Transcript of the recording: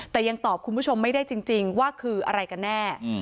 แต่ยังตอบคุณผู้ชมไม่ได้จริงว่าคืออะไรกันแน่